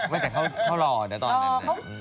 แม้แต่เขาหล่อนะตอนนั้น